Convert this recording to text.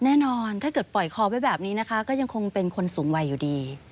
แน่นอนถ้าเกิดปล่อยคอไว้แบบนี้นะคะก็ยังคงเป็นคนสูงวัยอยู่ดี